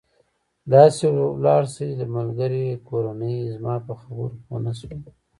داسې ولاړ شئ، ملګري، کورنۍ، زما په خبرو پوه نه شوې.